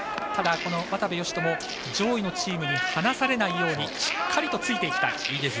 ただ、渡部善斗も上位のチームに離されないようにしっかりとついていきたい。